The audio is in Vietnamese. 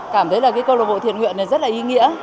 cảm thấy là cái cơ lộ bộ thiện nguyện này rất là ý nghĩa